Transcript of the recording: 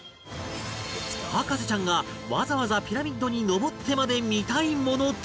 博士ちゃんがわざわざピラミッドに上ってまで見たいものとは